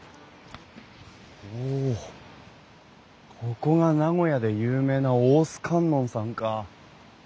ここが名古屋で有名な大須観音さんか。